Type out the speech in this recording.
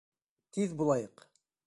Тиҙ булайыҡ!